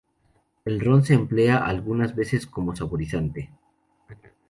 El ron se emplea algunas veces como saborizante.